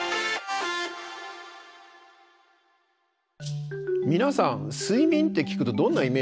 皆さん睡眠って聞くとどんなイメージ持たれていますか？